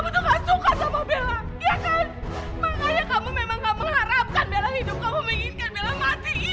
aku harus kuat dengan rasa sakit ini